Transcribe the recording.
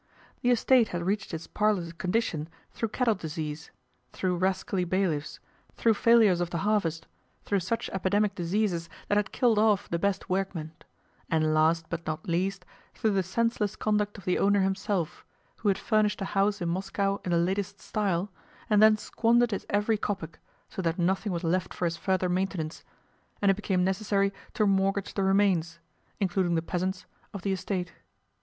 The estate had reached its parlous condition through cattle disease, through rascally bailiffs, through failures of the harvest, through such epidemic diseases that had killed off the best workmen, and, last, but not least, through the senseless conduct of the owner himself, who had furnished a house in Moscow in the latest style, and then squandered his every kopeck, so that nothing was left for his further maintenance, and it became necessary to mortgage the remains including the peasants of the estate.